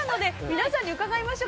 皆さんに伺いましょう。